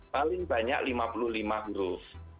paling banyak lima puluh lima huruf